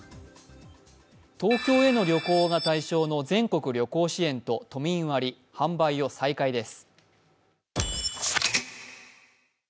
東京への旅行が対象の全国旅行支援と都民割、販売を再開です。